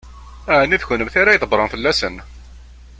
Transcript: Ɛni d kennemti ara ydebbṛen fell-asen?